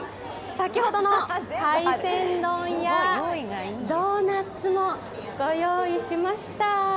先ほどの海鮮丼やドーナツもご用意しました。